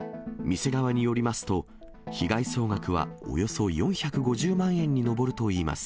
店側によりますと、被害総額はおよそ４５０万円に上るといいます。